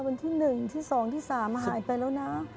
วันที่๑ที่๒ที่๓หายไปแล้วนะ